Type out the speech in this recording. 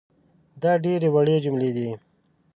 دا ډېرې وړې جملې دي